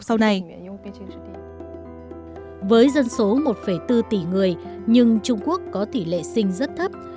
với dân số một bốn tỷ người nhưng trung quốc có tỷ lệ sinh rất thấp